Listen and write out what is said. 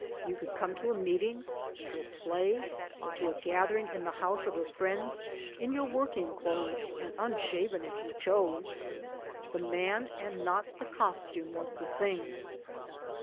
You could come to a meeting, to a play, or to a gathering in the house of a friend in your working clothes and unshaven if you chose. The man and not the costume was the thing.